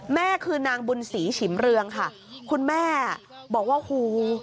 แม่คือนางบุญศรีฉิมเรืองค่ะคุณแม่บอกว่าหู